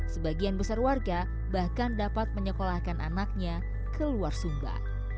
sebagian besar warga bahkan dapat menyekolahkan anaknya keluar sumba